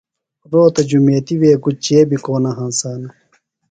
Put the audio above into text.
روتہ جُمیتیۡ وے گُچے بیۡ کو نہ ہنسانہ۔